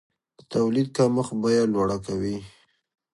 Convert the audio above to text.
د تولید کمښت بیه لوړه کوي.